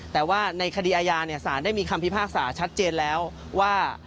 แต่ว่าในคดีอาญาสารได้มีคำพิพากษาชัดเจนแล้วว่า